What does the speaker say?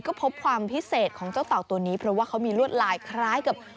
ก็พบความพิเศษของเจ้าเต่าตัวนี้เพราะว่าเขามีลวดลายคล้ายกับ